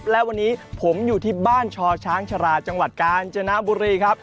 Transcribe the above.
และวันนี้ผมอยู่ที่บ้านชอช้างชราจังหวัดกาญจนบุรีครับ